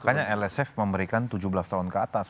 makanya lsf memberikan tujuh belas tahun ke atas